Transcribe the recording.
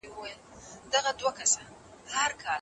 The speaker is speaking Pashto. پخوانیو پاچاهانو به په مهمو پرېکړو کي له ولس سره مشوره کوله.